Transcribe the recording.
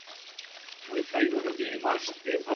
New York is awesome.